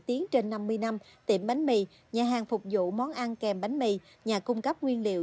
tiến trên năm mươi năm tiệm bánh mì nhà hàng phục vụ món ăn kèm bánh mì nhà cung cấp nguyên liệu